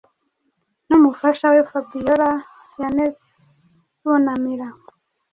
n'umufasha we Fabiola Yanez bunamira